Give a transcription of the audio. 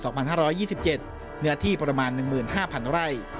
เนื้อที่ประมาณ๑๕๐๐๐ไร่